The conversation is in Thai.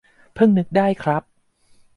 เพิ่งนึกได้ครับ